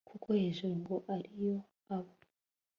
kuko iheru ngo ari yo aba